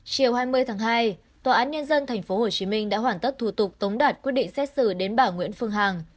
chiều hai mươi tháng hai tòa án nhân dân tp hcm đã hoàn tất thủ tục tống đạt quyết định xét xử đến bà nguyễn phương hằng